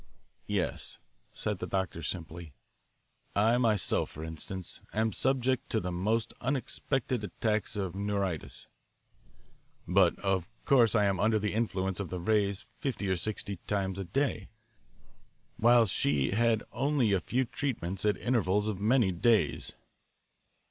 "Yes," said the doctor simply. "I myself, for instance, am subject to the most unexpected attacks of neuritis. But, of course, I am under the influence of the rays fifty or sixty times a day, while she had only a few treatments at intervals of many days."